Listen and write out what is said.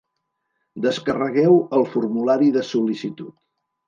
Descarregueu el formulari de sol·licitud.